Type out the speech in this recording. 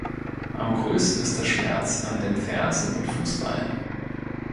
Am größten ist der Schmerz an den Fersen und Fußballen.